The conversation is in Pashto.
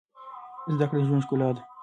زده کړه د ژوند ښکلا ده.